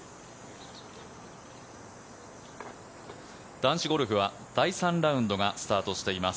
男子ゴルフは第３ラウンドがスタートしています。